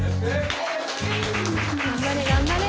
頑張れ頑張れ。